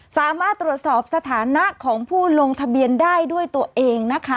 สามารถตรวจสอบสถานะของผู้ลงทะเบียนได้ด้วยตัวเองนะคะ